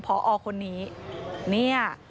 พอคนนี้